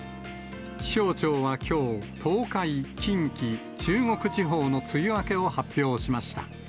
気象庁はきょう、東海、近畿、中国地方の梅雨明けを発表しました。